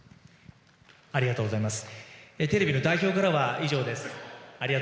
ありがとうございます。